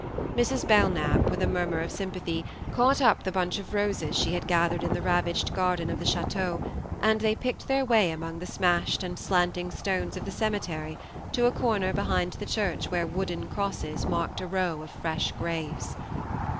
Mrs. Belknap, with a murmur of sympathy, caught up the bunch of roses she had gathered in the ravaged garden of the chateau, and they picked their way among the smashed and slanting stones of the cemetery to a corner behind the church where wooden crosses marked a row of fresh graves.